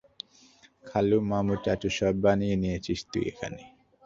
খালা, মামু, চাচু সব বানিয়ে নিয়েছিস তুই এখানে।